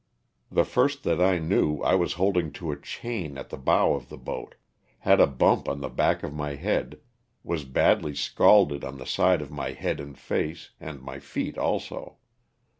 The first that I knew, I was holding to a chain at the bow of the boat; had a bump on the back of my head, was badly scalded on the side of my head and face, and my feet also.